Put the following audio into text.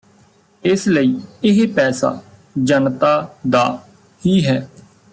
ਇਸ ਲਈ ਇਹ ਪੈਸਾ ਜਨਤਾ ਦਾ ਹੀ ਹੈ